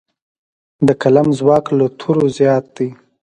د قلم ځواک له تورو زیات دی.